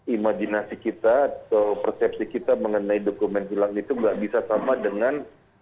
imajinasi kita atau persepsi kita mengenai dokumen hilang itu nggak bisa sama dengan